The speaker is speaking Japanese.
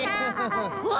うわ！